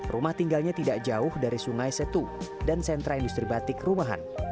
rumah tinggalnya tidak jauh dari sungai setu dan sentra industri batik rumahan